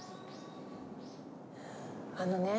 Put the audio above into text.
あのね。